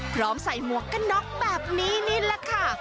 พร้อมใส่หมวกกระน็อกแบบนี้นี่ล่ะค่ะ